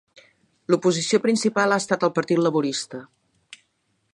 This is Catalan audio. L'oposició principal ha estat el Partit Laborista.